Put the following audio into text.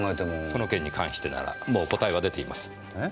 その件に関してならもう答えは出ています。